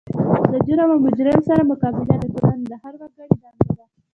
د جرم او مجرم سره مقابله د ټولنې د هر وګړي دنده ده.